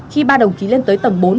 khi ba đồng chí lên tới tầng bốn